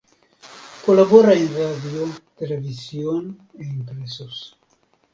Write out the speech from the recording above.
Colabora en radio, televisión e impresos.